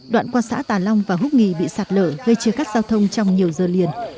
đoạn qua xã tà long và húc nghì bị sạt lở gây chứa khắc giao thông trong nhiều giờ liền